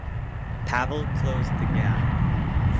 Pavel closed the gap.